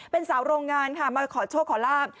เป็นสาวโรงงานค่ะมาขอโชคขอลาบ